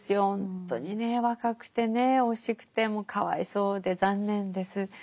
ほんとにね若くてね惜しくてもうかわいそうで残念です。